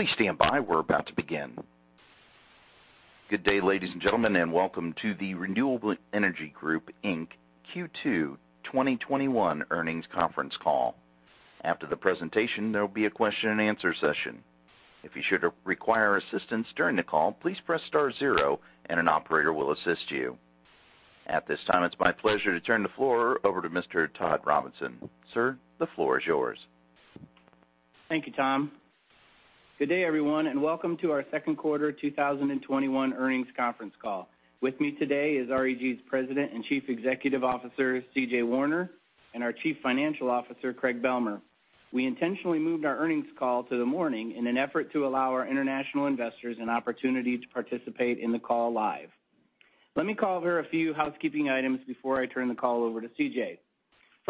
Good day, ladies and gentlemen, and welcome to the Renewable Energy Group, Inc. Q2 2021 earnings conference call. After the presentation, there will be a question and answer session. At this time, it's my pleasure to turn the floor over to Mr. Todd Robinson. Sir, the floor is yours. Thank you, Tom. Good day, everyone, and welcome to our second quarter 2021 earnings conference call. With me today is REG's President and Chief Executive Officer, CJ Warner, and our Chief Financial Officer, Craig Bealmear. We intentionally moved our earnings call to the morning in an effort to allow our international investors an opportunity to participate in the call live. Let me cover a few housekeeping items before I turn the call over to CJ.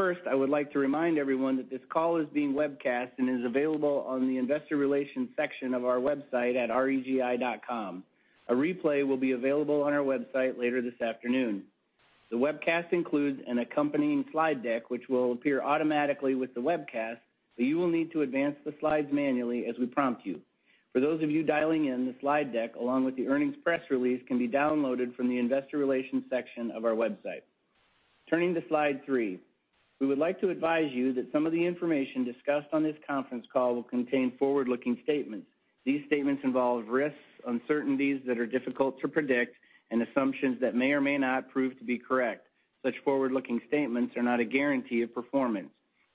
First, I would like to remind everyone that this call is being webcast and is available on the investor relations section of our website at regi.com. A replay will be available on our website later this afternoon. The webcast includes an accompanying slide deck, which will appear automatically with the webcast, but you will need to advance the slides manually as we prompt you. For those of you dialing in, the slide deck, along with the earnings press release, can be downloaded from the Investor Relations section of our website. Turning to slide three. We would like to advise you that some of the information discussed on this conference call will contain forward-looking statements. These statements involve risks, uncertainties that are difficult to predict, and assumptions that may or may not prove to be correct. Such forward-looking statements are not a guarantee of performance.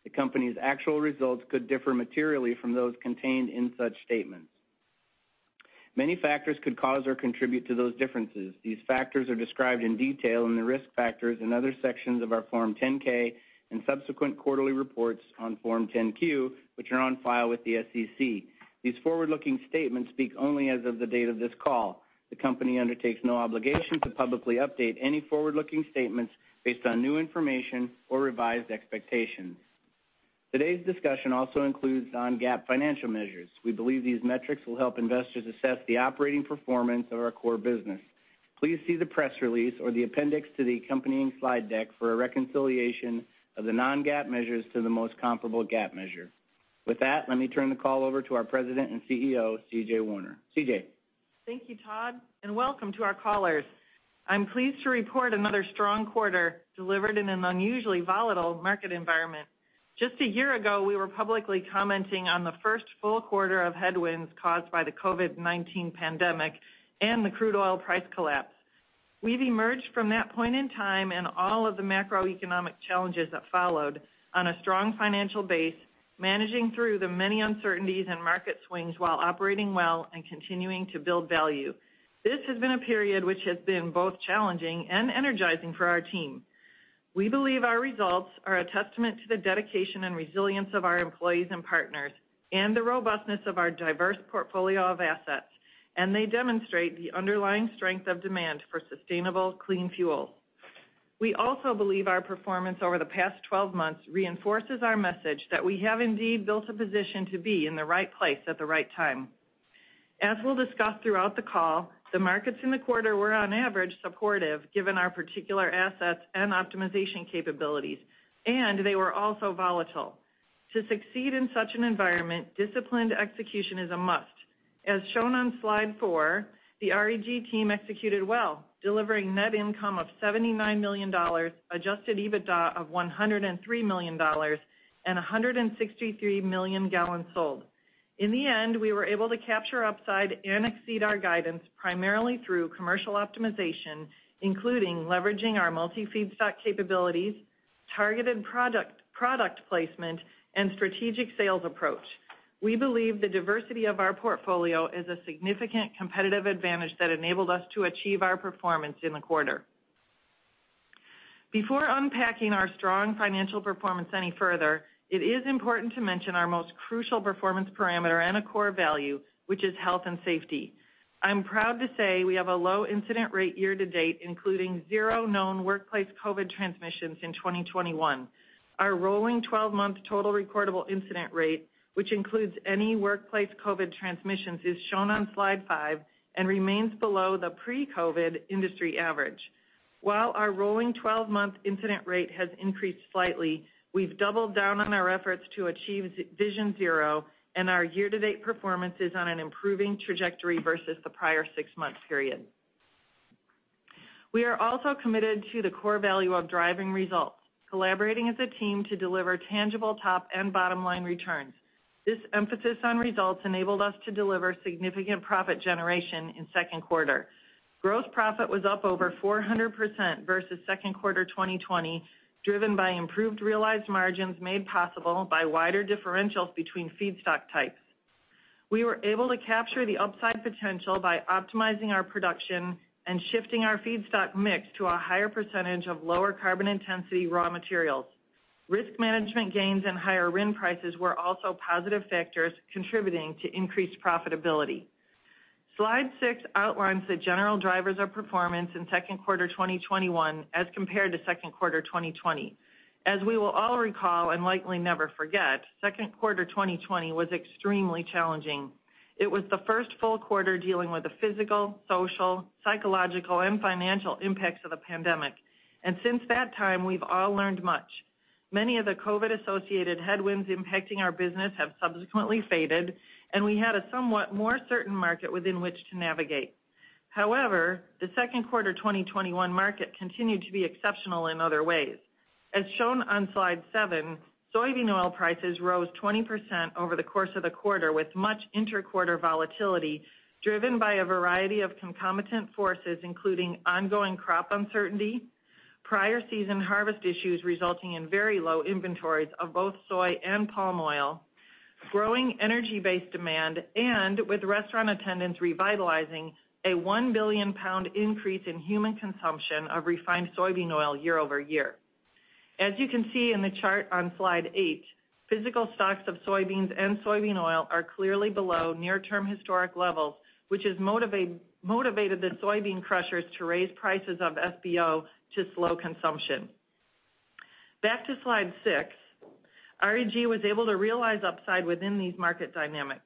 The company's actual results could differ materially from those contained in such statements. Many factors could cause or contribute to those differences. These factors are described in detail in the risk factors and other sections of our Form 10-K and subsequent quarterly reports on Form 10-Q, which are on file with the SEC. These forward-looking statements speak only as of the date of this call. The company undertakes no obligation to publicly update any forward-looking statements based on new information or revised expectations. Today's discussion also includes non-GAAP financial measures. We believe these metrics will help investors assess the operating performance of our core business. Please see the press release or the appendix to the accompanying slide deck for a reconciliation of the non-GAAP measures to the most comparable GAAP measure. With that, let me turn the call over to our President and CEO, CJ Warner. CJ? Thank you, Todd, and welcome to our callers. I'm pleased to report another strong quarter delivered in an unusually volatile market environment. Just a year ago, we were publicly commenting on the first full quarter of headwinds caused by the COVID-19 pandemic and the crude oil price collapse. We've emerged from that point in time and all of the macroeconomic challenges that followed on a strong financial base, managing through the many uncertainties and market swings while operating well and continuing to build value. This has been a period which has been both challenging and energizing for our team. We believe our results are a testament to the dedication and resilience of our employees and partners and the robustness of our diverse portfolio of assets, and they demonstrate the underlying strength of demand for sustainable clean fuel. We also believe our performance over the past 12 months reinforces our message that we have indeed built a position to be in the right place at the right time. As we'll discuss throughout the call, the markets in the quarter were on average supportive given our particular assets and optimization capabilities, and they were also volatile. To succeed in such an environment, disciplined execution is a must. As shown on slide four, the REG team executed well, delivering net income of $79 million, Adjusted EBITDA of $103 million and 163 million gal sold. In the end, we were able to capture upside and exceed our guidance primarily through commercial optimization, including leveraging our multi-feedstock capabilities, targeted product placement, and strategic sales approach. We believe the diversity of our portfolio is a significant competitive advantage that enabled us to achieve our performance in the quarter. Before unpacking our strong financial performance any further, it is important to mention our most crucial performance parameter and a core value, which is health and safety. I'm proud to say we have a low incident rate year to date, including 0 known workplace COVID transmissions in 2021. Our rolling 12-month total recordable incident rate, which includes any workplace COVID transmissions, is shown on slide five and remains below the pre-COVID industry average. While our rolling 12-month incident rate has increased slightly, we've doubled down on our efforts to achieve VisionZERO, and our year-to-date performance is on an improving trajectory versus the prior six-month period. We are also committed to the core value of driving results, collaborating as a team to deliver tangible top and bottom-line returns. This emphasis on results enabled us to deliver significant profit generation in second quarter. Gross profit was up over 400% versus second quarter 2020, driven by improved realized margins made possible by wider differentials between feedstock types. We were able to capture the upside potential by optimizing our production and shifting our feedstock mix to a higher percentage of lower carbon intensity raw materials. Risk management gains and higher RIN prices were also positive factors contributing to increased profitability. Slide six outlines the general drivers of performance in second quarter 2021 as compared to second quarter 2020. As we will all recall and likely never forget, second quarter 2020 was extremely challenging. It was the first full quarter dealing with the physical, social, psychological, and financial impacts of the pandemic. Since that time, we've all learned much. Many of the COVID-associated headwinds impacting our business have subsequently faded, and we had a somewhat more certain market within which to navigate. However, the second quarter 2021 market continued to be exceptional in other ways. As shown on Slide seven, soybean oil prices rose 20% over the course of the quarter, with much inter-quarter volatility, driven by a variety of concomitant forces, including ongoing crop uncertainty, prior season harvest issues resulting in very low inventories of both soy and palm oil, growing energy-based demand, and with restaurant attendance revitalizing, a 1 billion-pound increase in human consumption of refined soybean oil year-over-year. As you can see in the chart on Slide eight, physical stocks of soybeans and soybean oil are clearly below near-term historic levels, which has motivated the soybean crushers to raise prices of SBO to slow consumption. Back to Slide six, REG was able to realize upside within these market dynamics.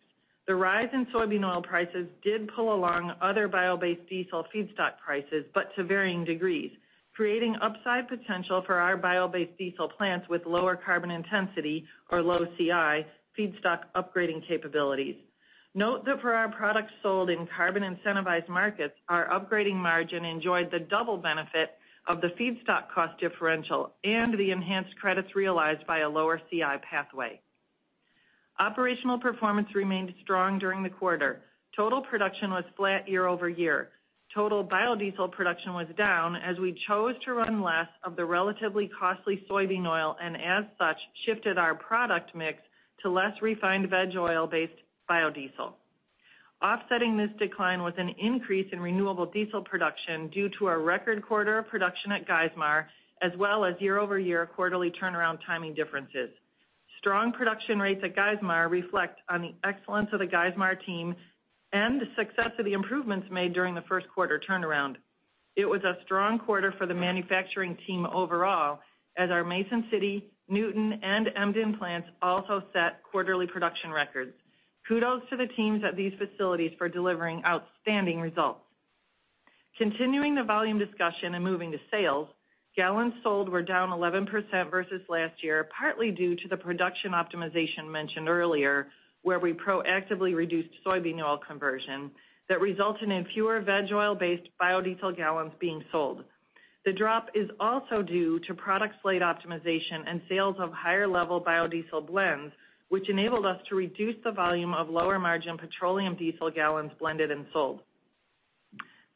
The rise in soybean oil prices did pull along other bio-based diesel feedstock prices, but to varying degrees, creating upside potential for our bio-based diesel plants with lower carbon intensity, or low CI, feedstock upgrading capabilities. Note that for our products sold in carbon-incentivized markets, our upgrading margin enjoyed the double benefit of the feedstock cost differential and the enhanced credits realized by a lower CI pathway. Operational performance remained strong during the quarter. Total production was flat year-over-year. Total biodiesel production was down as we chose to run less of the relatively costly soybean oil, and as such, shifted our product mix to less refined veg oil-based biodiesel. Offsetting this decline was an increase in renewable diesel production due to a record quarter of production at Geismar, as well as year-over-year quarterly turnaround timing differences. Strong production rates at Geismar reflect on the excellence of the Geismar team and the success of the improvements made during the first quarter turnaround. It was a strong quarter for the manufacturing team overall, as our Mason City, Newton, and Emden plants also set quarterly production records. Kudos to the teams at these facilities for delivering outstanding results. Continuing the volume discussion and moving to sales, gallons sold were down 11% versus last year, partly due to the production optimization mentioned earlier, where we proactively reduced soybean oil conversion that resulted in fewer veg oil-based biodiesel gallons being sold. The drop is also due to product slate optimization and sales of higher-level biodiesel blends, which enabled us to reduce the volume of lower-margin petroleum diesel gallons blended and sold.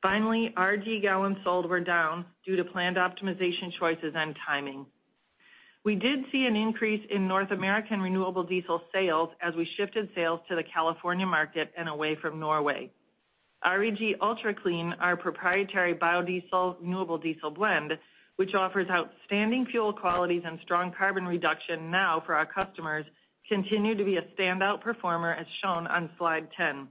Finally, REG gallons sold were down due to planned optimization choices and timing. We did see an increase in North American renewable diesel sales as we shifted sales to the California market and away from Norway. REG UltraClean, our proprietary biodiesel renewable diesel blend, which offers outstanding fuel qualities and strong carbon reduction now for our customers, continued to be a standout performer, as shown on Slide 10.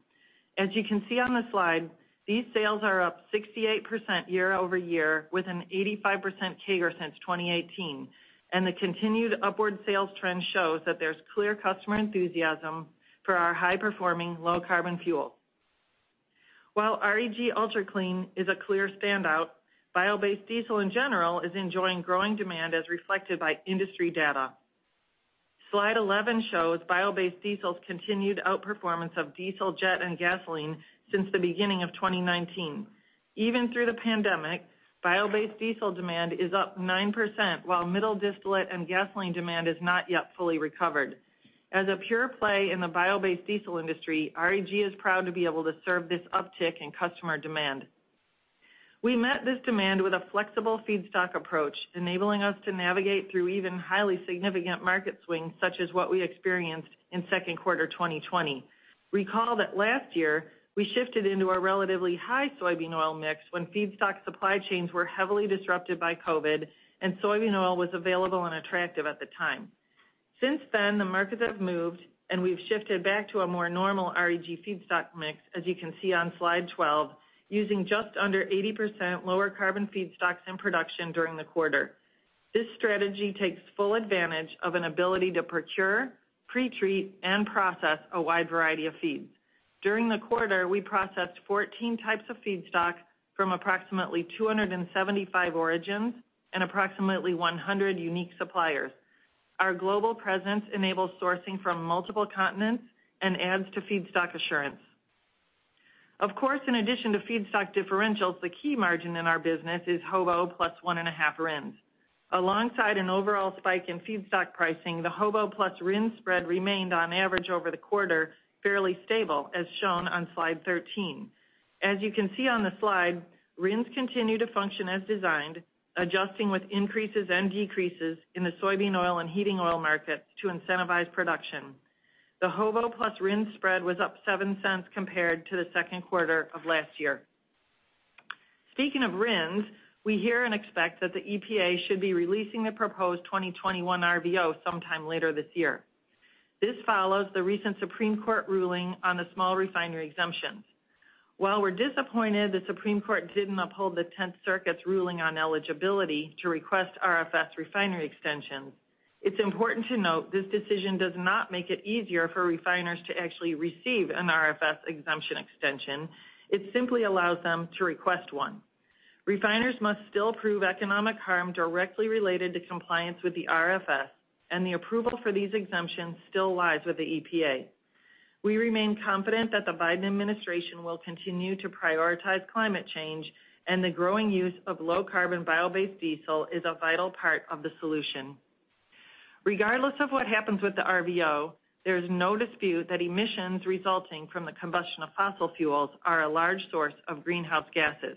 As you can see on the slide, these sales are up 68% year-over-year with an 85% CAGR since 2018, and the continued upward sales trend shows that there's clear customer enthusiasm for our high-performing, low-carbon fuel. While REG UltraClean is a clear standout, bio-based diesel in general is enjoying growing demand as reflected by industry data. Slide 11 shows bio-based diesel's continued outperformance of diesel, jet, and gasoline since the beginning of 2019. Even through the pandemic, bio-based diesel demand is up 9%, while middle distillate and gasoline demand is not yet fully recovered. As a pure play in the bio-based diesel industry, REG is proud to be able to serve this uptick in customer demand. We met this demand with a flexible feedstock approach, enabling us to navigate through even highly significant market swings, such as what we experienced in second quarter 2020. Recall that last year, we shifted into a relatively high soybean oil mix when feedstock supply chains were heavily disrupted by COVID and soybean oil was available and attractive at the time. Since then, the markets have moved, and we've shifted back to a more normal REG feedstock mix, as you can see on Slide 12, using just under 80% lower carbon feedstocks in production during the quarter. This strategy takes full advantage of an ability to procure, pre-treat, and process a wide variety of feeds. During the quarter, we processed 14 types of feedstock from approximately 275 origins and approximately 100 unique suppliers. Our global presence enables sourcing from multiple continents and adds to feedstock assurance. In addition to feedstock differentials, the key margin in our business is HOBO + 1.5 RINs. Alongside an overall spike in feedstock pricing, the HOBO + RIN spread remained, on average over the quarter, fairly stable, as shown on Slide 13. As you can see on the slide, RINs continue to function as designed, adjusting with increases and decreases in the soybean oil and heating oil markets to incentivize production. The HOBO + RIN spread was up $0.07 compared to the second quarter of last year. Speaking of RINs, we hear and expect that the EPA should be releasing the proposed 2021 RVO sometime later this year. This follows the recent Supreme Court ruling on the small refinery exemptions. While we're disappointed the Supreme Court didn't uphold the Tenth Circuit's ruling on eligibility to request RFS refinery extensions, it's important to note this decision does not make it easier for refiners to actually receive an RFS exemption extension. It simply allows them to request one. Refiners must still prove economic harm directly related to compliance with the RFS, and the approval for these exemptions still lies with the EPA. We remain confident that the Biden administration will continue to prioritize climate change, and the growing use of low-carbon bio-based diesel is a vital part of the solution. Regardless of what happens with the RVO, there is no dispute that emissions resulting from the combustion of fossil fuels are a large source of greenhouse gases.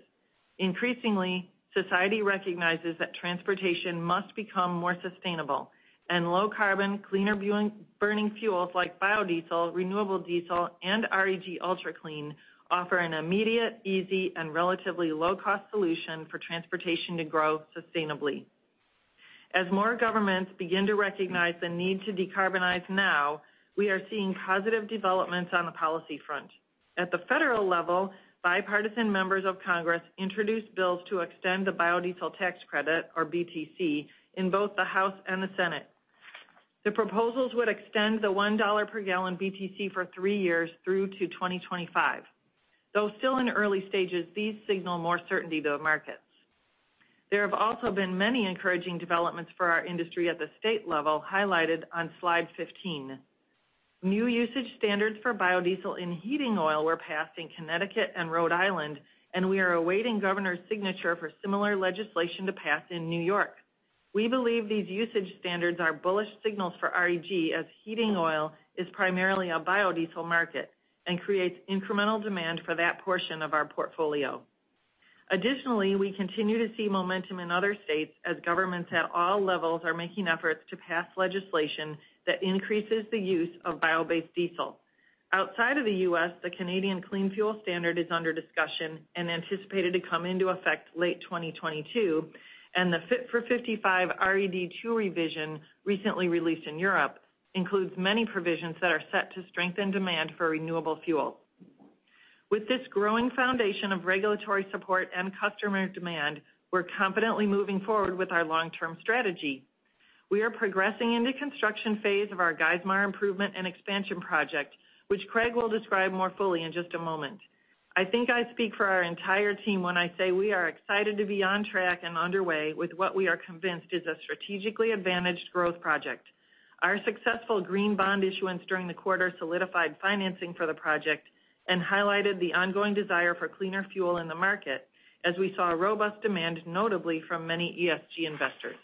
Increasingly, society recognizes that transportation must become more sustainable, and low-carbon, cleaner-burning fuels like biodiesel, renewable diesel, and REG UltraClean offer an immediate, easy, and relatively low-cost solution for transportation to grow sustainably. As more governments begin to recognize the need to decarbonize now, we are seeing positive developments on the policy front. At the federal level, bipartisan members of Congress introduced bills to extend the Biodiesel Tax Credit, or BTC, in both the House and the Senate. The proposals would extend the $1 per gal BTC for three years through to 2025. Though still in the early stages, these signal more certainty to the markets. There have also been many encouraging developments for our industry at the state level, highlighted on slide 15. New usage standards for biodiesel in heating oil were passed in Connecticut and Rhode Island, and we are awaiting governor's signature for similar legislation to pass in New York. We believe these usage standards are bullish signals for REG, as heating oil is primarily a biodiesel market and creates incremental demand for that portion of our portfolio. Additionally, we continue to see momentum in other states as governments at all levels are making efforts to pass legislation that increases the use of bio-based diesel. Outside of the U.S., the Canadian Clean Fuel Standard is under discussion and anticipated to come into effect late 2022, and the Fit for 55 RED II revision, recently released in Europe, includes many provisions that are set to strengthen demand for renewable fuel. With this growing foundation of regulatory support and customer demand, we're confidently moving forward with our long-term strategy. We are progressing in the construction phase of our Geismar improvement and expansion project, which Craig will describe more fully in just a moment. I think I speak for our entire team when I say we are excited to be on track and underway with what we are convinced is a strategically advantaged growth project. Our successful green bond issuance during the quarter solidified financing for the project and highlighted the ongoing desire for cleaner fuel in the market, as we saw robust demand, notably from many ESG investors.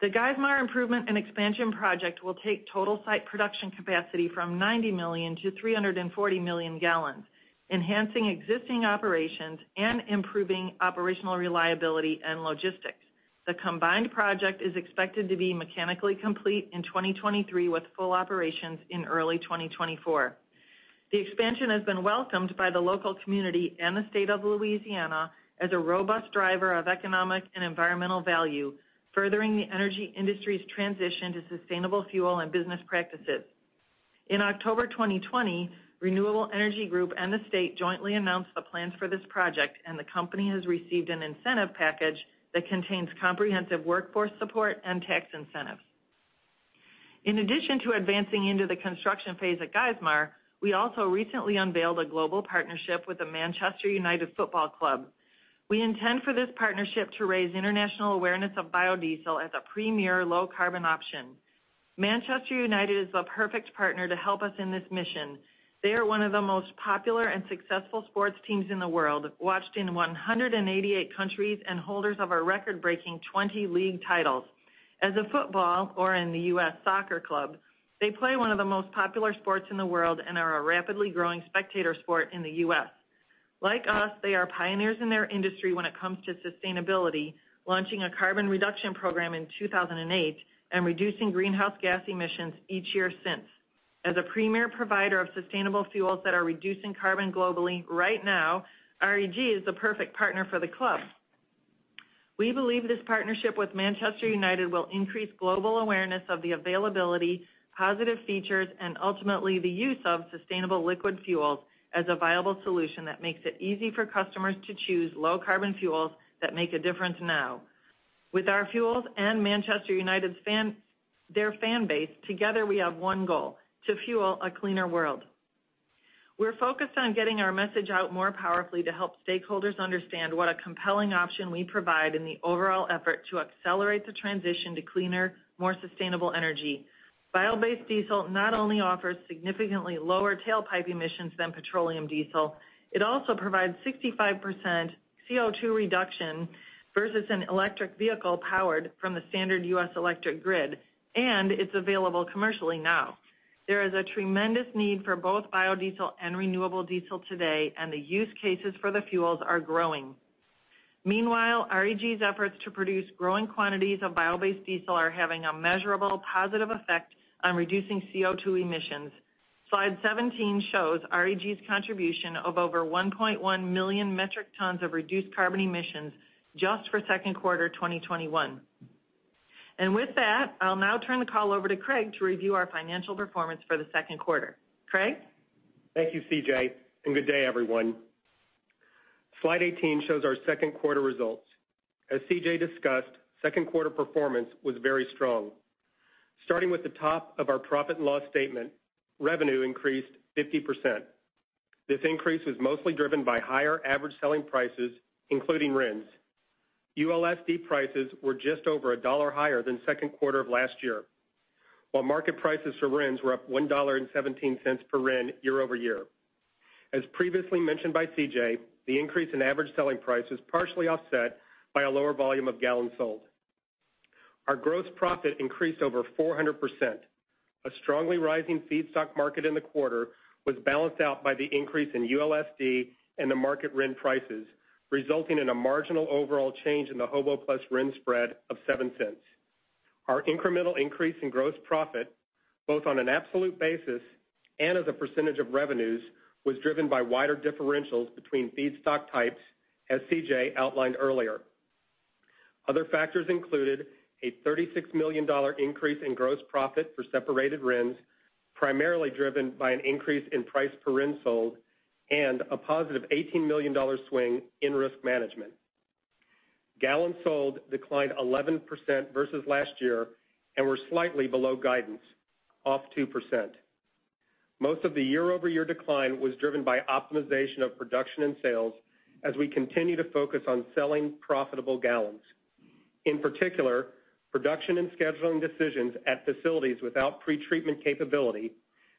The Geismar improvement and expansion project will take total site production capacity from 90 million to 340 million gal, enhancing existing operations and improving operational reliability and logistics. The combined project is expected to be mechanically complete in 2023, with full operations in early 2024. The expansion has been welcomed by the local community and the state of Louisiana as a robust driver of economic and environmental value, furthering the energy industry's transition to sustainable fuel and business practices. In October 2020, Renewable Energy Group and the state jointly announced the plans for this project. The company has received an incentive package that contains comprehensive workforce support and tax incentives. In addition to advancing into the construction phase at Geismar, we also recently unveiled a global partnership with the Manchester United Football Club. We intend for this partnership to raise international awareness of biodiesel as a premier low-carbon option. Manchester United is the perfect partner to help us in this mission. They are one of the most popular and successful sports teams in the world, watched in 188 countries and holders of a record-breaking 20 league titles. As a football, or in the U.S., soccer club, they play one of the most popular sports in the world and are a rapidly growing spectator sport in the U.S. Like us, they are pioneers in their industry when it comes to sustainability, launching a carbon reduction program in 2008 and reducing greenhouse gas emissions each year since. As a premier provider of sustainable fuels that are reducing carbon globally right now, REG is the perfect partner for the club. We believe this partnership with Manchester United will increase global awareness of the availability, positive features, and ultimately the use of sustainable liquid fuels as a viable solution that makes it easy for customers to choose low-carbon fuels that make a difference now. With our fuels and Manchester United's fan base, together we have one goal: to fuel a cleaner world. We're focused on getting our message out more powerfully to help stakeholders understand what a compelling option we provide in the overall effort to accelerate the transition to cleaner, more sustainable energy. Bio-based diesel not only offers significantly lower tailpipe emissions than petroleum diesel, it also provides 65% CO2 reduction versus an electric vehicle powered from the standard U.S. electric grid, and it's available commercially now. There is a tremendous need for both biodiesel and renewable diesel today, and the use cases for the fuels are growing. Meanwhile, REG's efforts to produce growing quantities of bio-based diesel are having a measurable positive effect on reducing CO2 emissions. Slide 17 shows REG's contribution of over 1.1 million metric tons of reduced carbon emissions just for second quarter 2021. With that, I'll now turn the call over to Craig to review our financial performance for the second quarter. Craig? Thank you, CJ, good day, everyone. Slide 18 shows our second quarter results. As CJ discussed, second quarter performance was very strong. Starting with the top of our profit and loss statement, revenue increased 50%. This increase was mostly driven by higher average selling prices, including RINs. ULSD prices were just over $1 higher than second quarter of last year, while market prices for RINs were up $1.17 per RIN year-over-year. As previously mentioned by CJ, the increase in average selling price was partially offset by a lower volume of gallons sold. Our gross profit increased over 400%. A strongly rising feedstock market in the quarter was balanced out by the increase in ULSD and the market RIN prices, resulting in a marginal overall change in the HOBO + RIN spread of $0.07. Our incremental increase in gross profit, both on an absolute basis and as a percentage of revenues, was driven by wider differentials between feedstock types, as CJ outlined earlier. Other factors included a $36 million increase in gross profit for separated RINs, primarily driven by an increase in price per RIN sold and a positive $18 million swing in risk management. Gallons sold declined 11% versus last year and were slightly below guidance, off 2%. Most of the year-over-year decline was driven by optimization of production and sales as we continue to focus on selling profitable gallons. In particular, production and scheduling decisions at facilities without pretreatment capability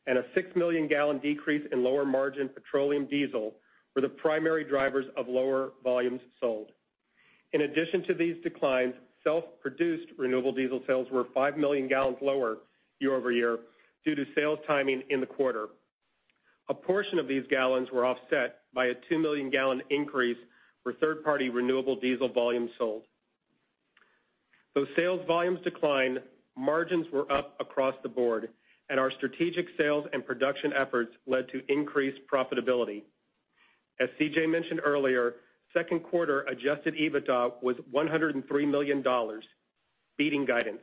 and a 6 million gal decrease in lower margin petroleum diesel were the primary drivers of lower volumes sold. In addition to these declines, self-produced renewable diesel sales were 5 million gal lower year-over-year due to sales timing in the quarter. A portion of these gallons were offset by a 2 million gal increase for third-party renewable diesel volumes sold. Though sales volumes declined, margins were up across the board, and our strategic sales and production efforts led to increased profitability. As CJ mentioned earlier, second quarter Adjusted EBITDA was $103 million, beating guidance.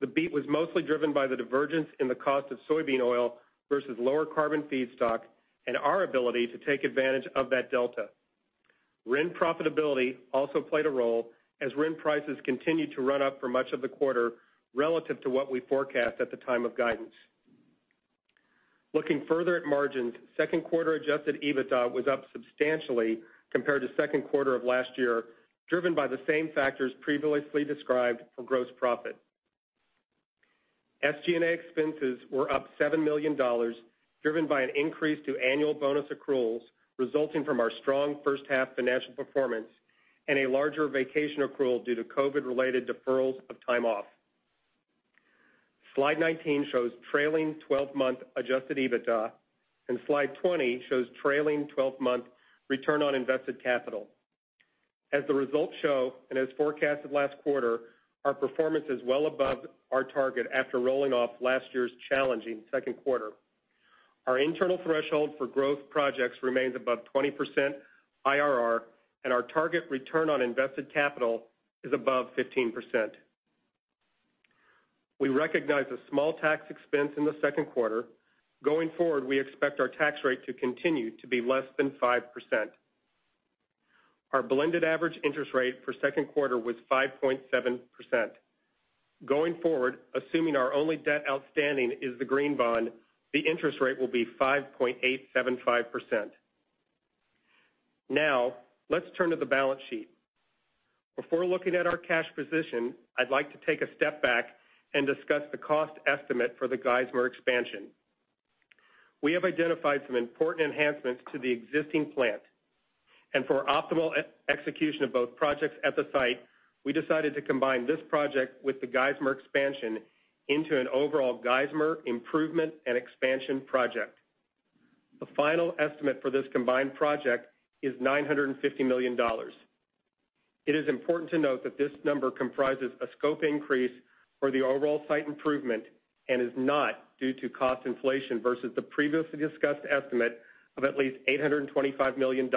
The beat was mostly driven by the divergence in the cost of soybean oil versus lower carbon feedstock and our ability to take advantage of that delta. RIN profitability also played a role as RIN prices continued to run up for much of the quarter relative to what we forecast at the time of guidance. Looking further at margins, second quarter Adjusted EBITDA was up substantially compared to second quarter of last year, driven by the same factors previously described for gross profit. SG&A expenses were up $7 million, driven by an increase to annual bonus accruals resulting from our strong first half financial performance and a larger vacation accrual due to COVID-19-related deferrals of time off. Slide 19 shows trailing 12-month Adjusted EBITDA, and Slide 20 shows trailing 12-month return on invested capital. As the results show, and as forecasted last quarter, our performance is well above our target after rolling off last year's challenging second quarter. Our internal threshold for growth projects remains above 20% IRR, and our target return on invested capital is above 15%. We recognize a small tax expense in the second quarter. Going forward, we expect our tax rate to continue to be less than 5%. Our blended average interest rate for second quarter was 5.7%. Going forward, assuming our only debt outstanding is the green bond, the interest rate will be 5.875%. Let's turn to the balance sheet. Before looking at our cash position, I'd like to take a step back and discuss the cost estimate for the Geismar expansion. We have identified some important enhancements to the existing plant, and for optimal execution of both projects at the site, we decided to combine this project with the Geismar expansion into an overall Geismar improvement and expansion project. The final estimate for this combined project is $950 million. It is important to note that this number comprises a scope increase for the overall site improvement and is not due to cost inflation versus the previously discussed estimate of at least $825 million,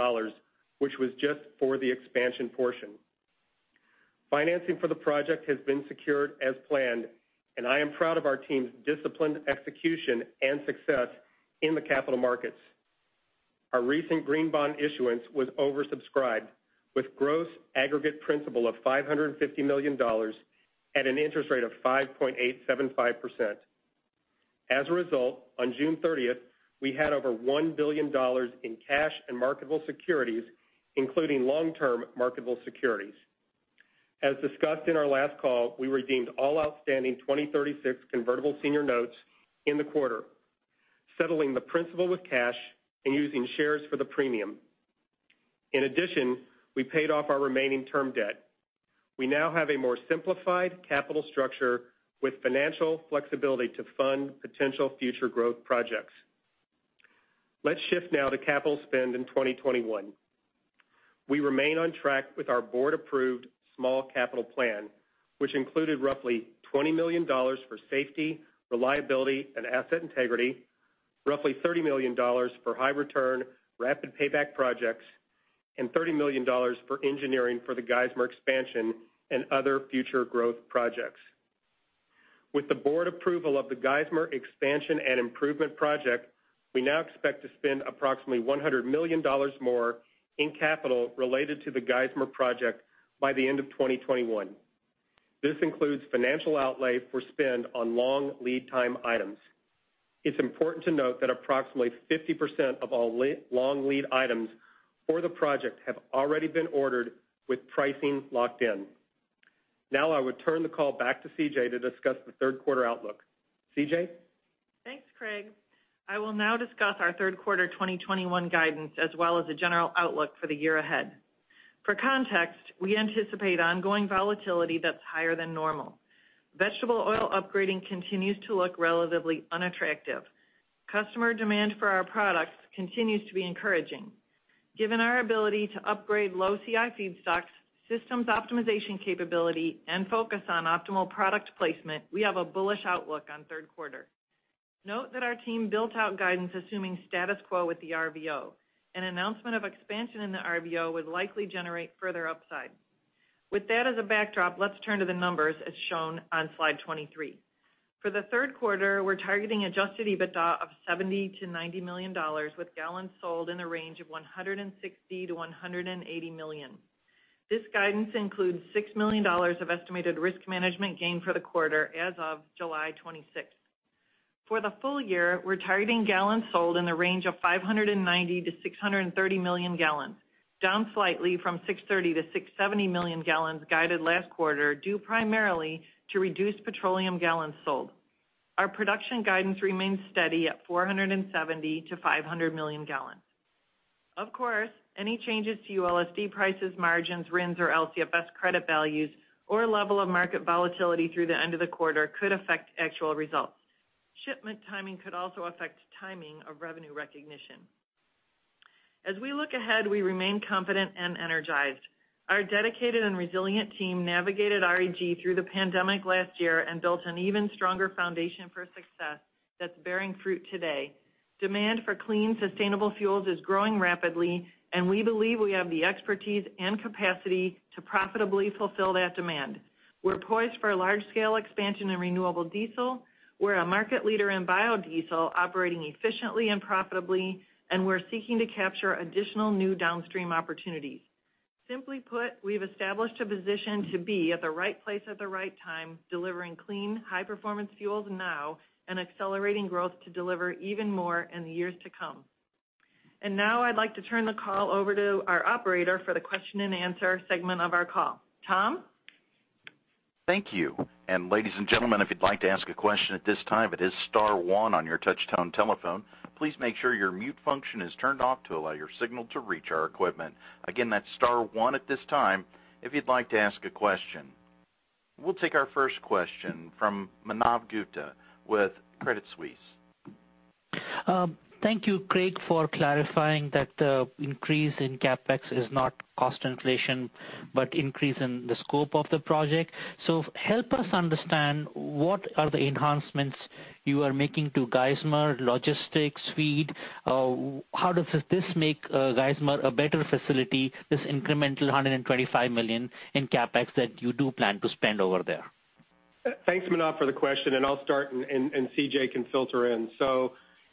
which was just for the expansion portion. Financing for the project has been secured as planned, and I am proud of our team's disciplined execution and success in the capital markets. Our recent green bond issuance was oversubscribed with gross aggregate principal of $550 million at an interest rate of 5.875%. As a result, on June 30th, we had over $1 billion in cash and marketable securities, including long-term marketable securities. As discussed in our last call, we redeemed all outstanding 2036 Convertible Senior Notes in the quarter, settling the principal with cash and using shares for the premium. In addition, we paid off our remaining term debt. We now have a more simplified capital structure with financial flexibility to fund potential future growth projects. Let's shift now to capital spend in 2021. We remain on track with our board-approved small capital plan, which included roughly $20 million for safety, reliability, and asset integrity, roughly $30 million for high return, rapid payback projects. $30 million for engineering for the Geismar expansion and other future growth projects. With the board approval of the Geismar expansion and improvement project, we now expect to spend approximately $100 million more in capital related to the Geismar project by the end of 2021. This includes financial outlay for spend on long lead time items. It's important to note that approximately 50% of all long lead items for the project have already been ordered with pricing locked in. Now I would turn the call back to CJ to discuss the third quarter outlook. CJ? Thanks, Craig. I will now discuss our third quarter 2021 guidance, as well as the general outlook for the year ahead. For context, we anticipate ongoing volatility that's higher than normal. Vegetable oil upgrading continues to look relatively unattractive. Customer demand for our products continues to be encouraging. Given our ability to upgrade low CI feedstocks, systems optimization capability, and focus on optimal product placement, we have a bullish outlook on third quarter. Note that our team built out guidance assuming status quo with the RVO. An announcement of expansion in the RVO would likely generate further upside. With that as a backdrop, let's turn to the numbers as shown on slide 23. For the third quarter, we're targeting Adjusted EBITDA of $70 million-$90 million with gallons sold in the range of 160 million-180 million gal. This guidance includes $6 million of estimated risk management gain for the quarter as of July 26th. For the full year, we're targeting gallons sold in the range of 590 million-630 million gal, down slightly from 630 million-670 million gal guided last quarter, due primarily to reduced petroleum gallons sold. Our production guidance remains steady at 470 million-500 million gal. Of course, any changes to ULSD prices, margins, RINs, or LCFS credit values or level of market volatility through the end of the quarter could affect actual results. Shipment timing could also affect timing of revenue recognition. As we look ahead, we remain confident and energized. Our dedicated and resilient team navigated REG through the pandemic last year and built an even stronger foundation for success that's bearing fruit today. Demand for clean, sustainable fuels is growing rapidly, and we believe we have the expertise and capacity to profitably fulfill that demand. We're poised for a large-scale expansion in renewable diesel. We're a market leader in biodiesel, operating efficiently and profitably, and we're seeking to capture additional new downstream opportunities. Simply put, we've established a position to be at the right place at the right time, delivering clean, high-performance fuels now and accelerating growth to deliver even more in the years to come. Now I'd like to turn the call over to our operator for the question and answer segment of our call. Tom? We'll take our first question from Manav Gupta with Credit Suisse. Thank you, Craig, for clarifying that the increase in CapEx is not cost inflation, but increase in the scope of the project. Help us understand what are the enhancements you are making to Geismar logistics feed? How does this make Geismar a better facility, this incremental $125 million in CapEx that you do plan to spend over there? Thanks, Manav, for the question. I'll start and CJ can filter in.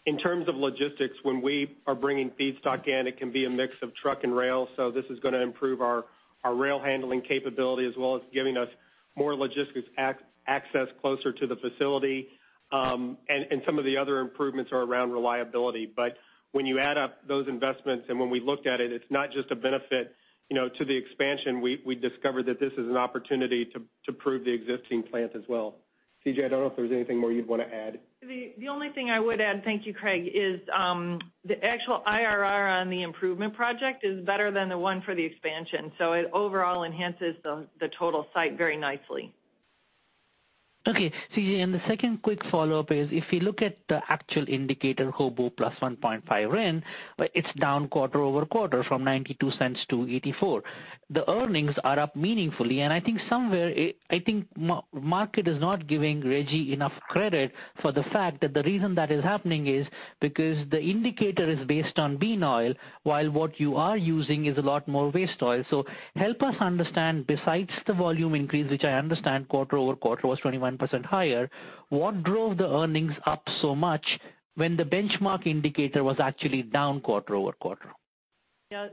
In terms of logistics, when we are bringing feedstock in, it can be a mix of truck and rail, so this is gonna improve our rail handling capability as well as giving us more logistics access closer to the facility. Some of the other improvements are around reliability. When you add up those investments and when we looked at it's not just a benefit to the expansion. We discovered that this is an opportunity to improve the existing plant as well. CJ, I don't know if there's anything more you'd want to add. The only thing I would add, thank you, Craig, is the actual IRR on the improvement project is better than the one for the expansion, so it overall enhances the total site very nicely. Okay. CJ, the second quick follow-up is if you look at the actual indicator, HOBO + 1.5 RIN, it's down quarter-over-quarter from $0.92 to $0.84. The earnings are up meaningfully. I think somewhere, I think market is not giving REG enough credit for the fact that the reason that is happening is because the indicator is based on bean oil, while what you are using is a lot more waste oil. Help us understand, besides the volume increase, which I understand quarter-over-quarter was 21% higher, what drove the earnings up so much when the benchmark indicator was actually down quarter-over-quarter? Yeah.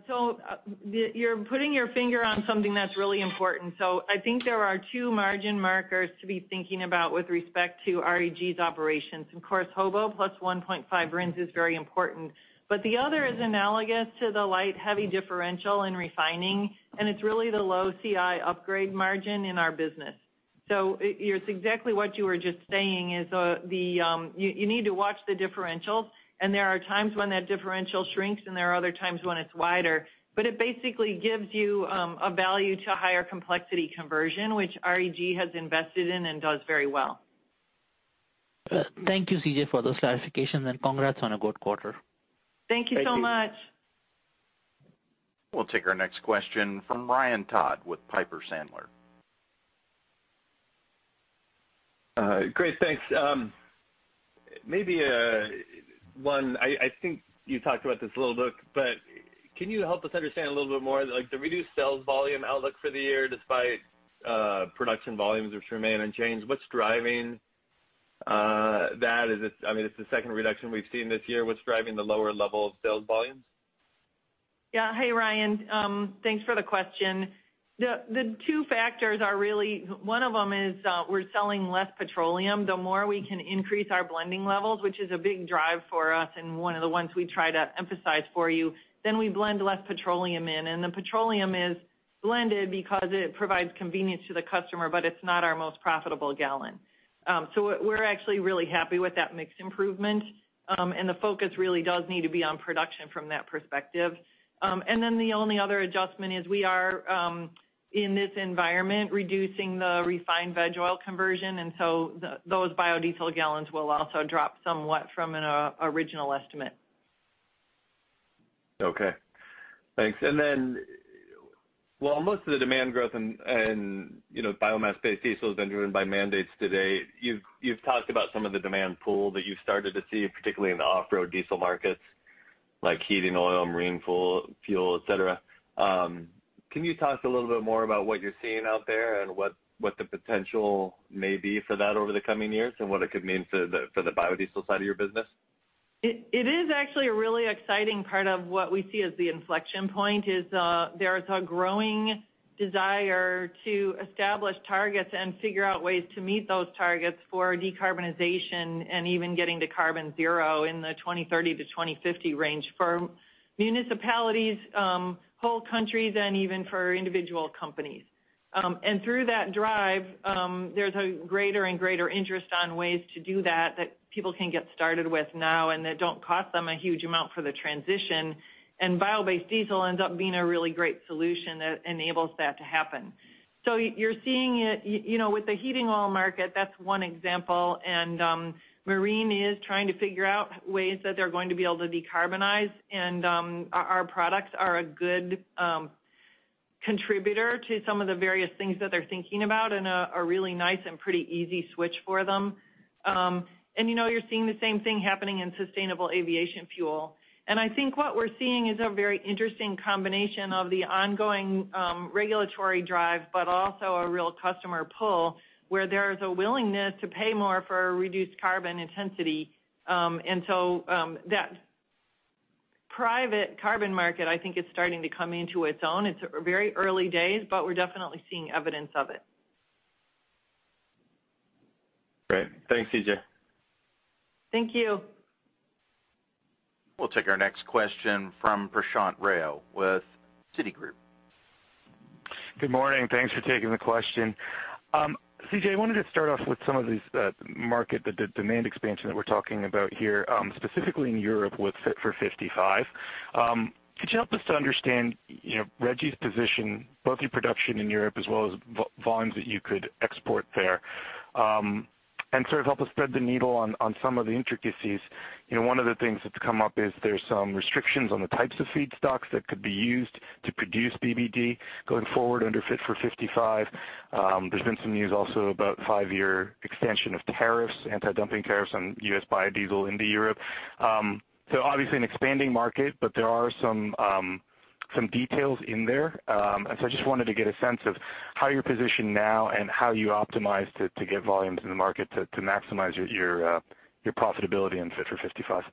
You're putting your finger on something that's really important. I think there are two margin markers to be thinking about with respect to REG's operations. Of course, HOBO + 1.5 RINs is very important, but the other is analogous to the light heavy differential in refining, and it's really the low CI upgrade margin in our business. It's exactly what you were just saying, is you need to watch the differentials, and there are times when that differential shrinks and there are other times when it's wider. It basically gives you a value to higher complexity conversion, which REG has invested in and does very well. Thank you, CJ, for the clarification, and congrats on a good quarter. Thank you so much. Thank you. We'll take our next question from Ryan Todd with Piper Sandler. Great. Thanks. Maybe one, I think you talked about this a little bit, but can you help us understand a little bit more, like the reduced sales volume outlook for the year despite production volumes which remain unchanged? What's driving that? It's the second reduction we've seen this year. What's driving the lower level of sales volumes? Hey, Ryan. Thanks for the question. The two factors are really, one of them is we're selling less petroleum. The more we can increase our blending levels, which is a big drive for us and one of the ones we try to emphasize for you, we blend less petroleum in. The petroleum is blended because it provides convenience to the customer, but it's not our most profitable gallon. We're actually really happy with that mixed improvement. The focus really does need to be on production from that perspective. The only other adjustment is we are, in this environment, reducing the refined veg oil conversion. Those biodiesel gallons will also drop somewhat from an original estimate. Okay. Thanks. While most of the demand growth in biomass-based diesel has been driven by mandates to date, you've talked about some of the demand pull that you've started to see, particularly in the off-road diesel markets, like heating oil, marine fuel, et cetera. Can you talk a little bit more about what you're seeing out there and what the potential may be for that over the coming years and what it could mean for the biodiesel side of your business? It is actually a really exciting part of what we see as the inflection point is, there is a growing desire to establish targets and figure out ways to meet those targets for decarbonization and even getting to carbon zero in the 2030-2050 range for municipalities, whole countries, and even for individual companies. Through that drive, there's a greater and greater interest on ways to do that people can get started with now and that don't cost them a huge amount for the transition. Bio-based diesel ends up being a really great solution that enables that to happen. You're seeing it with the heating oil market, that's one example. Marine is trying to figure out ways that they're going to be able to decarbonize, and our products are a good contributor to some of the various things that they're thinking about and are really nice and pretty easy switch for them. You're seeing the same thing happening in sustainable aviation fuel. I think what we're seeing is a very interesting combination of the ongoing regulatory drive, but also a real customer pull where there's a willingness to pay more for reduced carbon intensity. That private carbon market, I think it's starting to come into its own. It's very early days, but we're definitely seeing evidence of it. Great. Thanks, CJ. Thank you. We'll take our next question from Prashanth Rao with Citigroup. Good morning. Thanks for taking the question. CJ, I wanted to start off with some of these market, the demand expansion that we're talking about here, specifically in Europe with Fit for 55. Could you help us to understand REG's position, both your production in Europe as well as volumes that you could export there? Sort of help us thread the needle on some of the intricacies. One of the things that's come up is there's some restrictions on the types of feedstocks that could be used to produce BBD going forward under Fit for 55. There's been some news also about 5-year extension of tariffs, anti-dumping tariffs on U.S. biodiesel into Europe. Obviously an expanding market, but there are some details in there. I just wanted to get a sense of how you're positioned now and how you optimize to get volumes in the market to maximize your profitability in Fit for 55.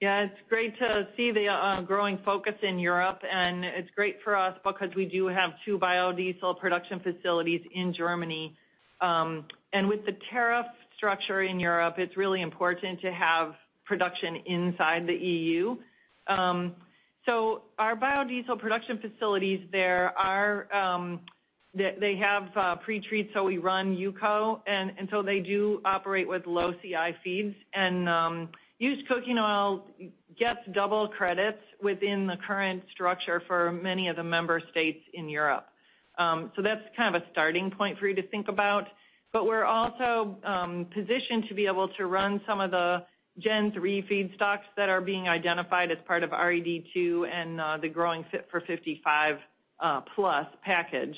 Yeah, it's great to see the growing focus in Europe, and it's great for us because we do have two biodiesel production facilities in Germany. With the tariff structure in Europe, it's really important to have production inside the EU. Our biodiesel production facilities there are, they have pretreat, so we run UCO, and so they do operate with low CI feeds. Used cooking oil gets double credits within the current structure for many of the member states in Europe. That's kind of a starting point for you to think about. We're also positioned to be able to run some of the gen three feedstocks that are being identified as part of RED II and the growing Fit for 55 package.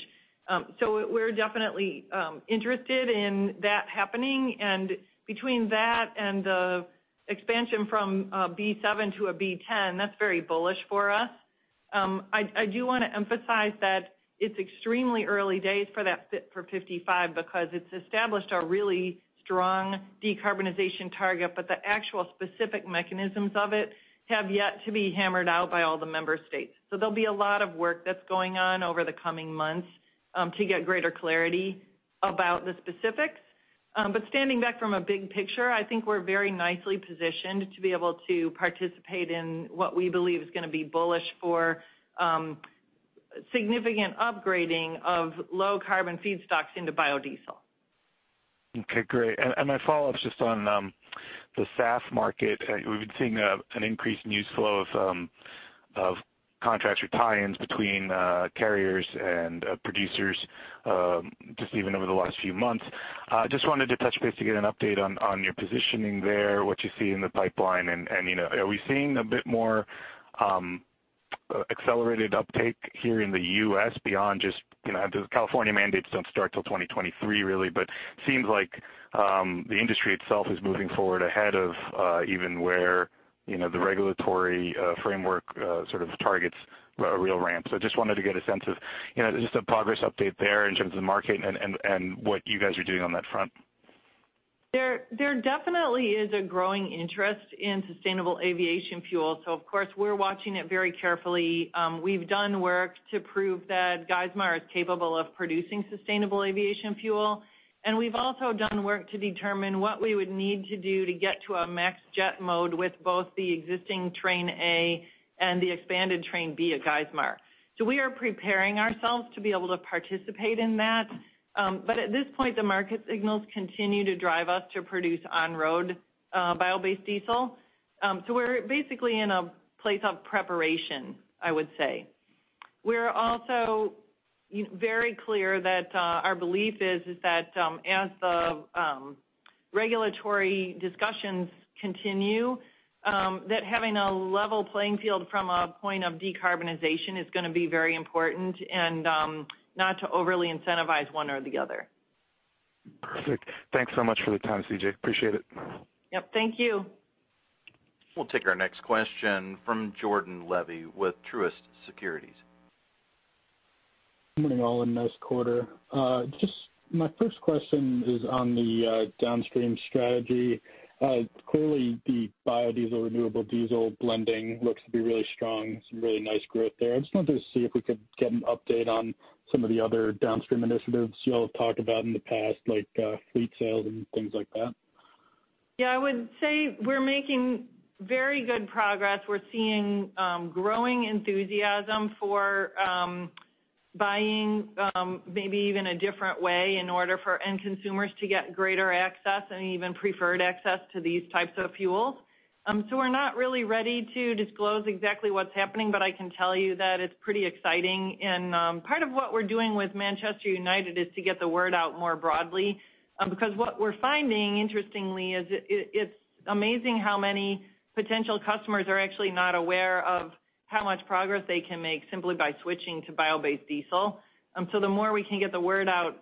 We're definitely interested in that happening, and between that and the expansion from a B7 to a B10, that's very bullish for us. I do want to emphasize that it's extremely early days for that Fit for 55 because it's established a really strong decarbonization target, but the actual specific mechanisms of it have yet to be hammered out by all the member states. There'll be a lot of work that's going on over the coming months to get greater clarity about the specifics. Standing back from a big picture, I think we're very nicely positioned to be able to participate in what we believe is going to be bullish for significant upgrading of low carbon feedstocks into biodiesel. Okay, great. My follow-up's just on the SAF market. We've been seeing an increase in use flow of contracts or tie-ins between carriers and producers, just even over the last few months. Just wanted to touch base to get an update on your positioning there, what you see in the pipeline, and are we seeing a bit more accelerated uptake here in the U.S. beyond just, the California mandates don't start till 2023, really, but seems like the industry itself is moving forward ahead of even where the regulatory framework sort of targets a real ramp. Just wanted to get a sense of just a progress update there in terms of the market and what you guys are doing on that front. There definitely is a growing interest in sustainable aviation fuel. Of course, we're watching it very carefully. We've done work to prove that Geismar is capable of producing sustainable aviation fuel, and we've also done work to determine what we would need to do to get to a max jet mode with both the existing Train A and the expanded Train B at Geismar. We are preparing ourselves to be able to participate in that. At this point, the market signals continue to drive us to produce on-road bio-based diesel. We're basically in a place of preparation, I would say. We're also very clear that our belief is that as the regulatory discussions continue, that having a level playing field from a point of decarbonization is going to be very important and not to overly incentivize one or the other. Perfect. Thanks so much for the time, CJ. Appreciate it. Yep. Thank you. We'll take our next question from Jordan Levy with Truist Securities. Good morning, all, and nice quarter. Just my first question is on the downstream strategy. Clearly, the biodiesel, renewable diesel blending looks to be really strong, some really nice growth there. I just wanted to see if we could get an update on some of the other downstream initiatives you all have talked about in the past, like fleet sales and things like that. Yeah, I would say we're making very good progress. We're seeing growing enthusiasm for buying maybe even a different way in order for end consumers to get greater access and even preferred access to these types of fuels. We're not really ready to disclose exactly what's happening, but I can tell you that it's pretty exciting. Part of what we're doing with Manchester United is to get the word out more broadly, because what we're finding, interestingly, is it's amazing how many potential customers are actually not aware of how much progress they can make simply by switching to bio-based diesel. The more we can get the word out,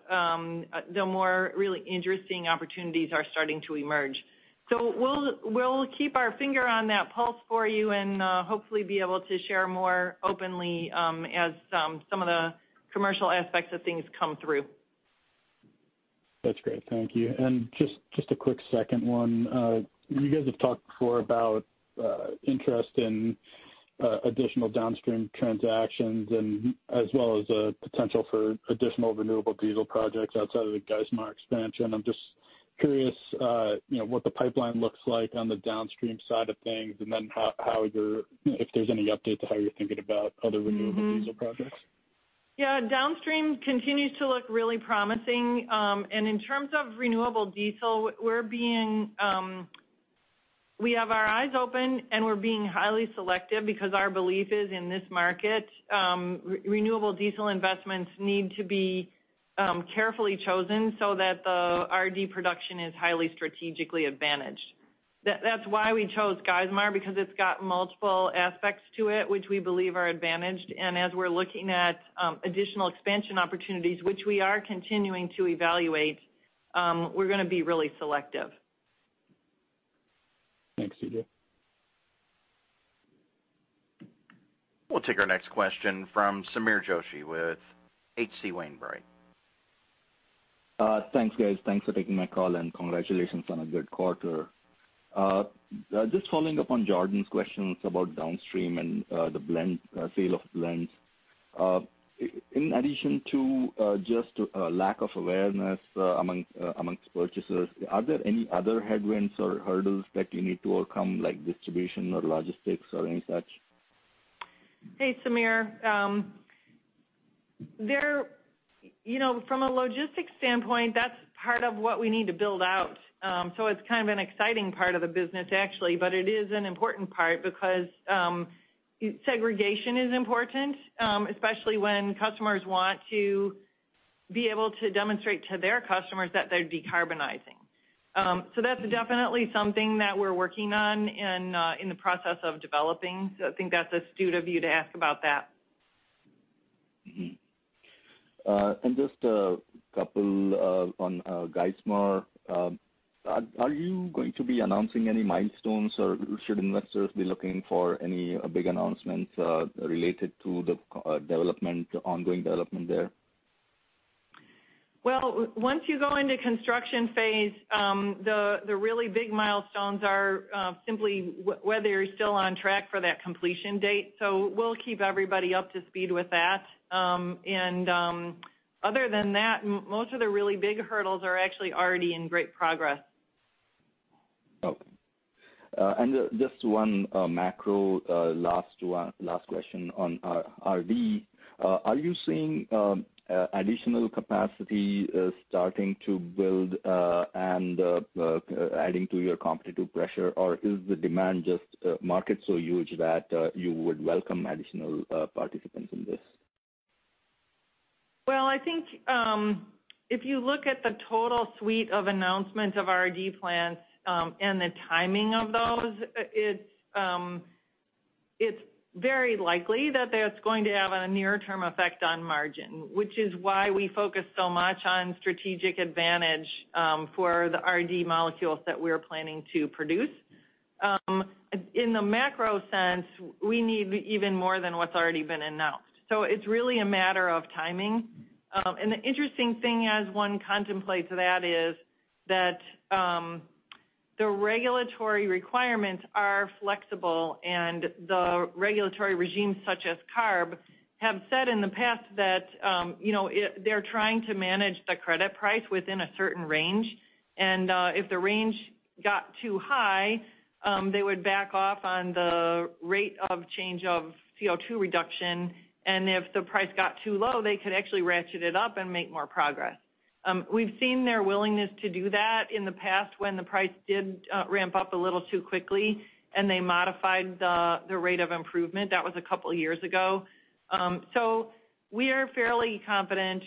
the more really interesting opportunities are starting to emerge. We'll keep our finger on that pulse for you and hopefully be able to share more openly as some of the commercial aspects of things come through. That's great. Thank you. Just a quick second one. You guys have talked before about interest in additional downstream transactions and as well as potential for additional renewable diesel projects outside of the Geismar expansion. I'm just curious what the pipeline looks like on the downstream side of things, and then if there's any update to how you're thinking about other renewable diesel projects. Yeah. Downstream continues to look really promising. In terms of renewable diesel, we have our eyes open, and we're being highly selective because our belief is in this market, renewable diesel investments need to be carefully chosen so that the RD production is highly strategically advantaged. That's why we chose Geismar, because it's got multiple aspects to it, which we believe are advantaged. As we're looking at additional expansion opportunities, which we are continuing to evaluate, we're going to be really selective. Thanks, CJ. We'll take our next question from Sameer Joshi with H.C. Wainwright. Thanks, guys. Thanks for taking my call, and congratulations on a good quarter. Just following up on Jordan's questions about downstream and the sale of blends. In addition to just a lack of awareness amongst purchasers, are there any other headwinds or hurdles that you need to overcome, like distribution or logistics or any such? Hey, Sameer. From a logistics standpoint, that's part of what we need to build out. It's kind of an exciting part of the business, actually, but it is an important part because segregation is important, especially when customers want to be able to demonstrate to their customers that they're decarbonizing. That's definitely something that we're working on and in the process of developing. I think that's astute of you to ask about that. Just a couple on Geismar. Are you going to be announcing any milestones, or should investors be looking for any big announcements related to the ongoing development there? Well, once you go into construction phase, the really big milestones are simply whether you're still on track for that completion date. We'll keep everybody up to speed with that. Other than that, most of the really big hurdles are actually already in great progress. Okay. Just one macro last question on RD. Are you seeing additional capacity starting to build and adding to your competitive pressure, or is the demand just market so huge that you would welcome additional participants in this? Well, I think if you look at the total suite of announcements of RD plants and the timing of those, it's very likely that that's going to have a near-term effect on margin, which is why we focus so much on strategic advantage for the RD molecules that we're planning to produce. In the macro sense, we need even more than what's already been announced. It's really a matter of timing. The interesting thing as one contemplates that is that the regulatory requirements are flexible and the regulatory regimes such as CARB have said in the past that they're trying to manage the credit price within a certain range and if the range got too high, they would back off on the rate of change of CO2 reduction, and if the price got too low, they could actually ratchet it up and make more progress. We've seen their willingness to do that in the past when the price did ramp up a little too quickly, and they modified the rate of improvement. That was a couple of years ago. We are fairly confident,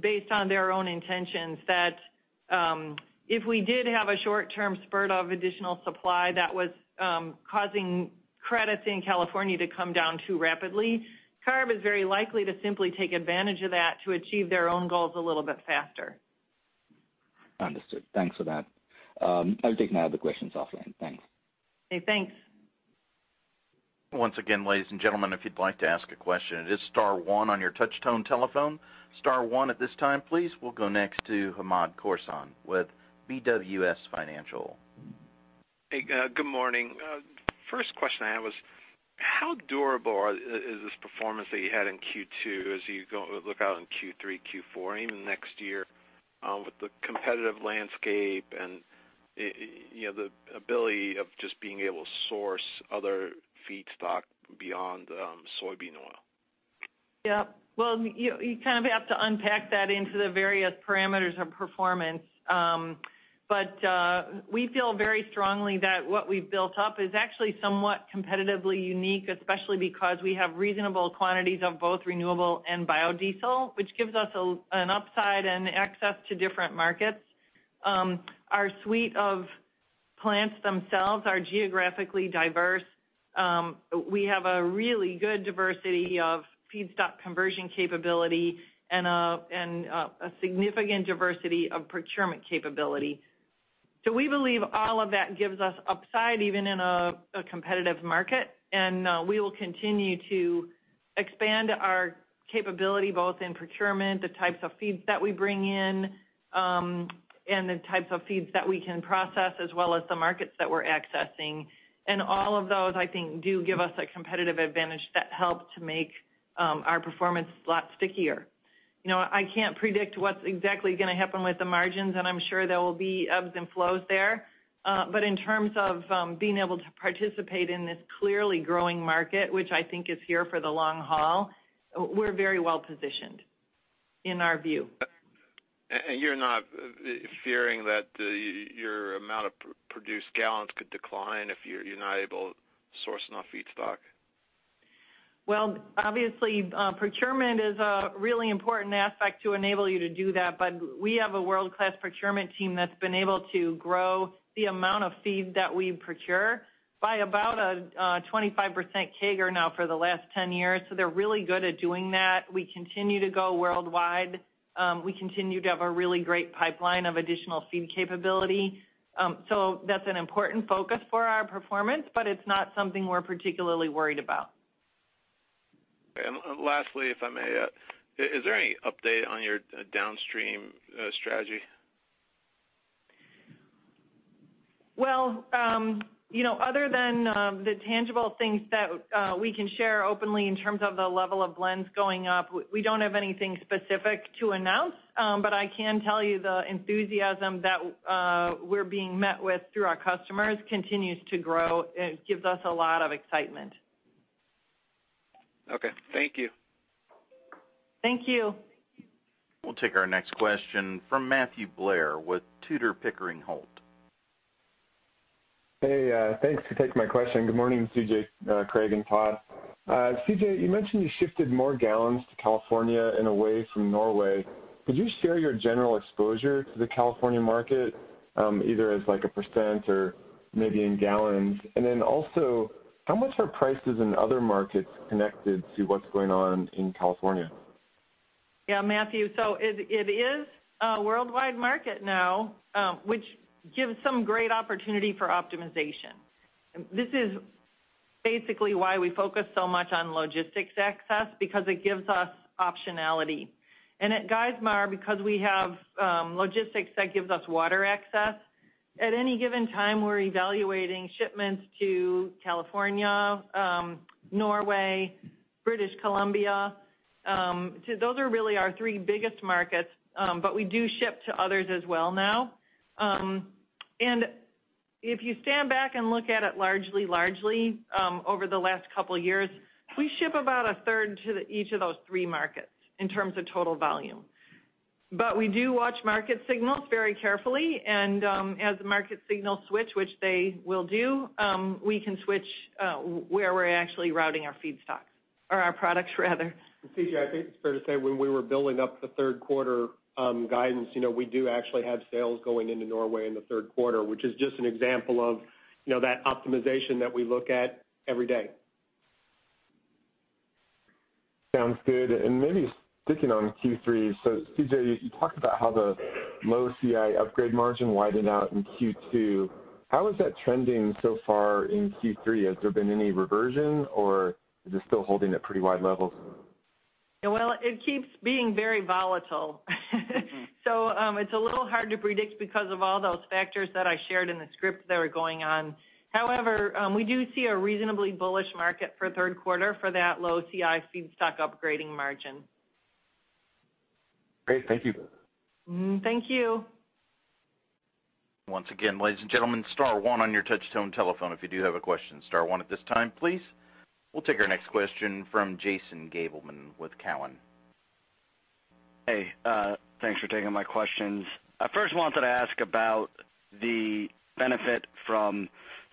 based on their own intentions, that if we did have a short-term spurt of additional supply that was causing credits in California to come down too rapidly, CARB is very likely to simply take advantage of that to achieve their own goals a little bit faster. Understood. Thanks for that. I'll take my other questions offline. Thanks. Okay, thanks. Once again, ladies and gentlemen, if you'd like to ask a question, it is star one on your touch-tone telephone. Star one at this time, please. We'll go next to Hamed Khorsand with BWS Financial. Hey, good morning. First question I had was, how durable is this performance that you had in Q2 as you look out in Q3, Q4, even next year with the competitive landscape and the ability of just being able to source other feedstock beyond soybean oil? Yep. Well, you kind of have to unpack that into the various parameters of performance. We feel very strongly that what we've built up is actually somewhat competitively unique, especially because we have reasonable quantities of both renewable and biodiesel, which gives us an upside and access to different markets. Our suite of plants themselves are geographically diverse. We have a really good diversity of feedstock conversion capability and a significant diversity of procurement capability. We believe all of that gives us upside even in a competitive market, and we will continue to expand our capability, both in procurement, the types of feeds that we bring in, and the types of feeds that we can process, as well as the markets that we're accessing. All of those, I think, do give us a competitive advantage that help to make our performance a lot stickier. I can't predict what's exactly going to happen with the margins, and I'm sure there will be ebbs and flows there. In terms of being able to participate in this clearly growing market, which I think is here for the long haul, we're very well positioned, in our view. You're not fearing that your amount of produced gallons could decline if you're not able to source enough feedstock? Well, obviously, procurement is a really important aspect to enable you to do that, but we have a world-class procurement team that's been able to grow the amount of feed that we procure by about a 25% CAGR now for the last 10 years. They're really good at doing that. We continue to go worldwide. We continue to have a really great pipeline of additional feed capability. That's an important focus for our performance, but it's not something we're particularly worried about. Lastly, if I may, is there any update on your downstream strategy? Well, other than the tangible things that we can share openly in terms of the level of blends going up, we don't have anything specific to announce, but I can tell you the enthusiasm that we're being met with through our customers continues to grow. It gives us a lot of excitement. Okay. Thank you. Thank you. We'll take our next question from Matthew Blair with Tudor, Pickering, Holt. Hey, thanks for taking my question. Good morning, CJ, Craig, and Todd. CJ, you mentioned you shifted more gallons to California and away from Norway. Could you share your general exposure to the California market, either as like a percent or maybe in gallons? How much are prices in other markets connected to what's going on in California? Yeah, Matthew. It is a worldwide market now, which gives some great opportunity for optimization. This is basically why we focus so much on logistics access because it gives us optionality. At Geismar, because we have logistics that gives us water access, at any given time, we're evaluating shipments to California, Norway, British Columbia. Those are really our three biggest markets, we do ship to others as well now. If you stand back and look at it largely over the last couple of years, we ship about a third to each of those three markets in terms of total volume. We do watch market signals very carefully, as the market signals switch, which they will do, we can switch where we're actually routing our feedstocks or our products rather. CJ, I think it's fair to say when we were building up the third quarter guidance, we do actually have sales going into Norway in the third quarter, which is just an example of that optimization that we look at every day. Sounds good. Maybe sticking on Q3, CJ, you talked about how the low CI upgrade margin widened out in Q2. How is that trending so far in Q3? Has there been any reversion or is it still holding at pretty wide levels? Well, it keeps being very volatile. It's a little hard to predict because of all those factors that I shared in the script that are going on. However, we do see a reasonably bullish market for third quarter for that low CI feedstock upgrading margin. Great. Thank you. Thank you. Once again, ladies and gentlemen, star one on your touchtone telephone if you do have a question. Star one at this time, please. We'll take our next question from Jason Gabelman with Cowen. Hey, thanks for taking my questions. I first wanted to ask about the benefit from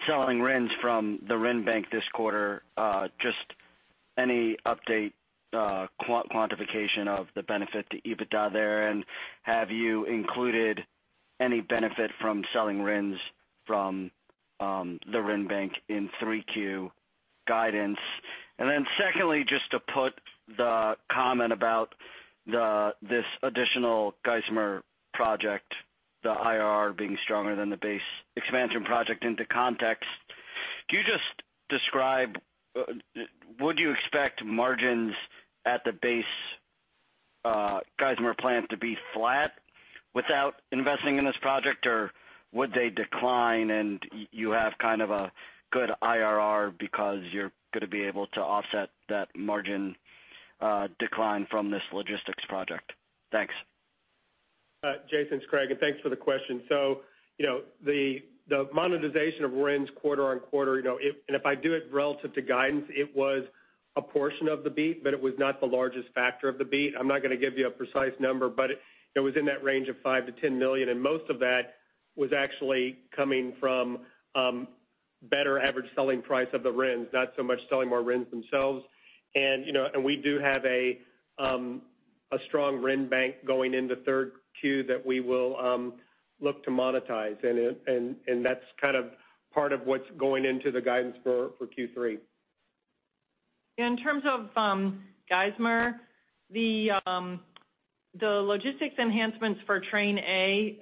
selling RINs from the RIN bank this quarter. Just any update quantification of the benefit to EBITDA there, and have you included any benefit from selling RINs from the RIN bank in 3Q guidance? Secondly, just to put the comment about this additional Geismar project, the IRR being stronger than the base expansion project into context. Can you just describe, would you expect margins at the base Geismar plant to be flat without investing in this project, or would they decline and you have kind of a good IRR because you're going to be able to offset that margin decline from this logistics project? Thanks. Jason, it's Craig, thanks for the question. The monetization of RINs quarter-on-quarter, and if I do it relative to guidance, it was a portion of the beat, but it was not the largest factor of the beat. I'm not going to give you a precise number, but it was in that range of $5 million-$10 million, and most of that was actually coming from better average selling price of the RINs, not so much selling more RINs themselves. We do have a strong RIN bank going into third Q that we will look to monetize, and that's kind of part of what's going into the guidance for Q3. In terms of Geismar, the logistics enhancements for Train A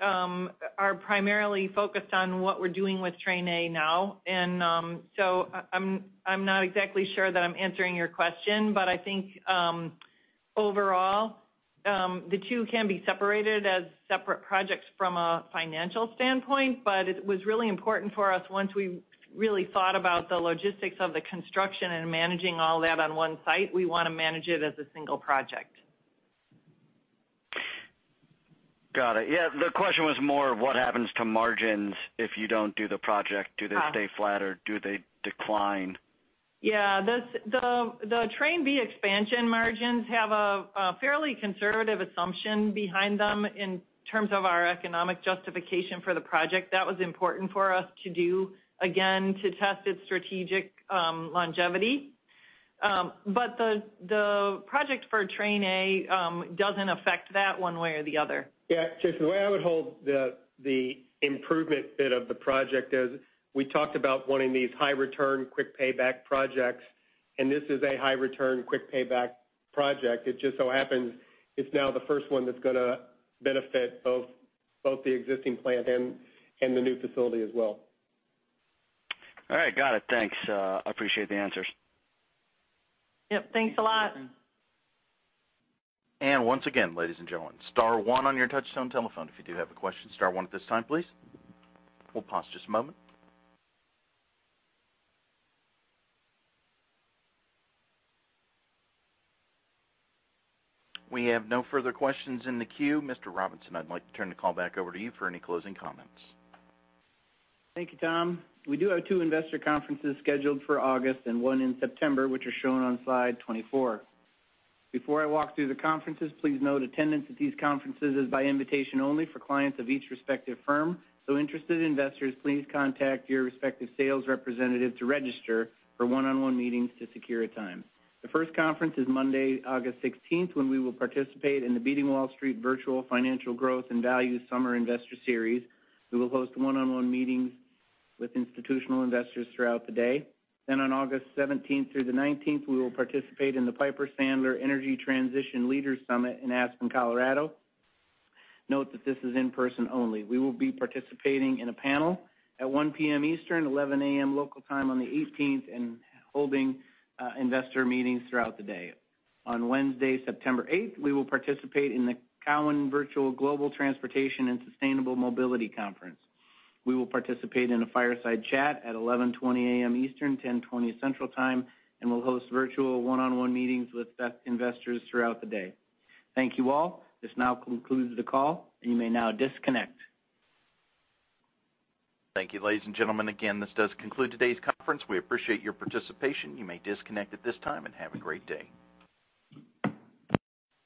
are primarily focused on what we're doing with Train A now. I'm not exactly sure that I'm answering your question, but I think, overall, the two can be separated as separate projects from a financial standpoint. It was really important for us once we really thought about the logistics of the construction and managing all that on one site. We want to manage it as a single project. Got it. Yeah, the question was more of what happens to margins if you don't do the project. Oh. Do they stay flat or do they decline? Yeah. The Train B expansion margins have a fairly conservative assumption behind them in terms of our economic justification for the project. That was important for us to do, again, to test its strategic longevity. The project for Train A doesn't affect that one way or the other. Yeah. Jason, the way I would hold the improvement bit of the project is we talked about wanting these high return, quick payback projects, and this is a high return, quick payback project. It just so happens it's now the first one that's going to benefit both the existing plant and the new facility as well. All right. Got it. Thanks. I appreciate the answers. Yep. Thanks a lot. Once again, ladies and gentlemen, star one on your touch-tone telephone if you do have a question. Star one at this time, please. We'll pause just a moment. We have no further questions in the queue. Mr. Robinson, I'd like to turn the call back over to you for any closing comments. Thank you, Tom. We do have two investor conferences scheduled for August and one in September, which are shown on slide 24. Before I walk through the conferences, please note attendance at these conferences is by invitation only for clients of each respective firm. Interested investors, please contact your respective sales representative to register for one-on-one meetings to secure a time. The first conference is Monday, August 16th, when we will participate in the Beating Wall Street Virtual Financial Growth and Value Summer Investor Series. We will host one-on-one meetings with institutional investors throughout the day. On August 17th through the 19th, we will participate in the Piper Sandler Energy Transition Leaders Summit in Aspen, Colorado. Note that this is in person only. We will be participating in a panel at 1:00 P.M. Eastern, 11:00 A.M. local time on the 18th, and holding investor meetings throughout the day. On Wednesday, September 8th, we will participate in the Cowen Virtual Global Transportation and Sustainable Mobility Conference. We will participate in a fireside chat at 11:20 A.M. Eastern, 10:20 Central Time, and we'll host virtual one-on-one meetings with investors throughout the day. Thank you all. This now concludes the call and you may now disconnect. Thank you, ladies and gentlemen. Again, this does conclude today's conference. We appreciate your participation. You may disconnect at this time, and have a great day.